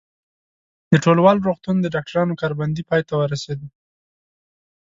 د ټولوال روغتون د ډاکټرانو کار بندي پای ته ورسېده.